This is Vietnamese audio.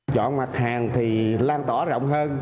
chọn mặt hàng thì lan tỏa rộng hơn